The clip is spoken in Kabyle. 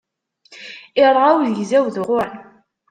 Irɣa uzegzaw d uquran.